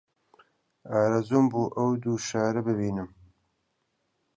ئارەزووم بوو ئەو دوو شارە ببینم